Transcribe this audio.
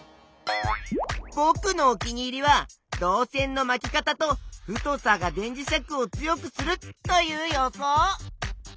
ぼくのお気に入りは導線の「まき方」と「太さ」が電磁石を強くするという予想！